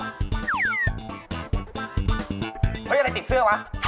เฮ้ยอะไรติดเสื้อวะ